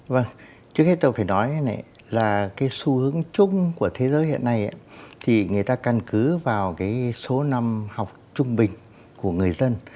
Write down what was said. vâng trước hết tôi phải nói là cái xu hướng chung của thế giới hiện nay thì người ta căn cứ vào cái số năm học trung bình của người dân